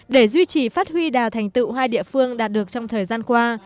để duy trì phát huy đào thành tựu hai địa phương đạt được trong thời gian qua